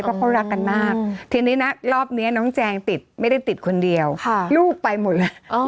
เพราะเขารักกันมากทีนี้นะรอบนี้น้องแจงติดไม่ได้ติดคนเดียวลูกไปหมดเลย